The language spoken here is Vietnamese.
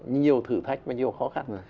nhiều thử thách và nhiều khó khăn